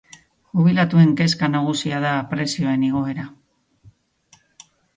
Jubilatuen kezka nagusia da prezioen igoera